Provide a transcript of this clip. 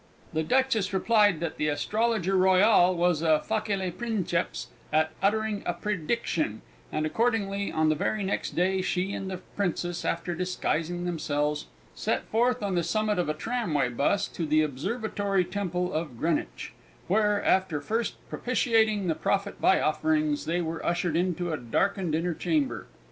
The Duchess replied that the Astrologer Royal was a facile princeps at uttering a prediction, and accordingly on the very next day she and the Princess, after disguising themselves, set forth on the summit of a tramway 'bus to the Observatory Temple of Greenwich, where, after first propitiating the prophet by offerings, they were ushered into a darkened inner chamber.